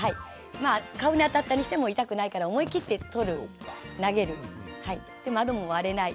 まあ顔に当たったりしても痛くないから思い切ってで窓も割れない。